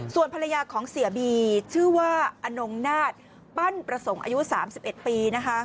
ส่วนภรรยาของเสียบีชื่อว่าอนงนาฏปั้นประสงค์อายุ๓๑ปี